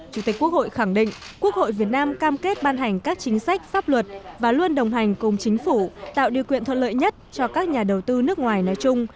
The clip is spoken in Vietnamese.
chủ tịch quốc hội khẳng định quốc hội việt nam cam kết ban hành các chính sách pháp luật và luôn đồng hành cùng chính phủ tạo điều kiện thuận lợi nhất cho các nhà đầu tư nước ngoài nói chung